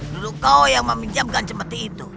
dulu kau yang meminjamkan seperti itu